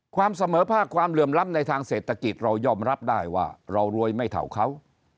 ความเสมอภาคความเหลื่อมล้ำในทางเศรษฐกิจเรายอมรับได้ว่าเรารวยไม่เท่าเขา